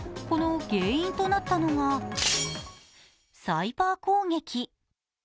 この原因となったのが、サイバー攻撃。